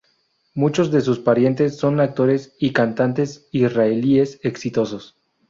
Muchos de sus parientes son actores y cantantes israelíes exitosos.